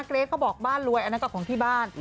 เกรทเขาบอกบ้านรวยอันนั้นก็ของที่บ้าน